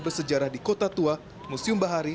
bersejarah di kota tua museum bahari